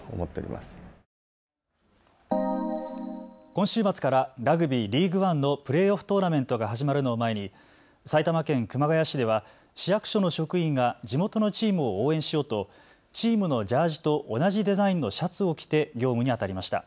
今週末からラグビーリーグワンのプレーオフトーナメントが始まるのを前に埼玉県熊谷市では市役所の職員が地元のチームを応援しようとチームのジャージと同じデザインのシャツを着て業務にあたりました。